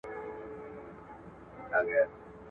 پوهانو د اوږدې مودې لپاره ستر اقتصادي پلانونه جوړ کړي وو.